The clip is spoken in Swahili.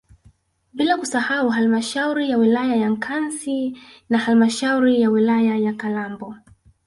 bila kusahau halmashauri ya wilaya ya Nkasi na halmashauri ya wilaya ya Kalambo